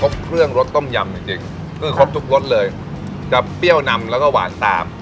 ครบเครื่องรสต้มยำจริงจริงคือครบทุกรสเลยจะเปรี้ยวนำแล้วก็หวานตาม